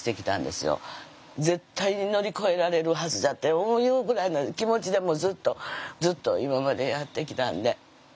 「絶対に乗り越えられるはずだって思うよ」ぐらいな気持ちでずっとずっと今までやってきたんで。